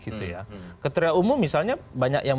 kriteria umum misalnya banyak yang